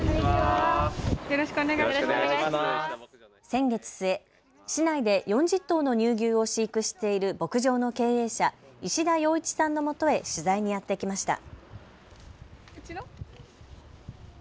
先月末、市内で４０頭の乳牛を飼育している牧場の経営者、石田陽一さんのもとへ取材にやってきました。